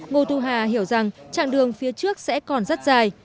ngô thu hà hiểu rằng chặng đường phía trước sẽ còn rất dài